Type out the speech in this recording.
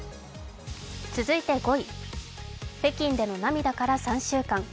続いて５位、北京の涙から３週間。